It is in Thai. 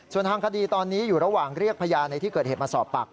ส่วนทางคดีตอนนี้อยู่ระหว่างเรียกพยานในที่เกิดเหตุมาสอบปาก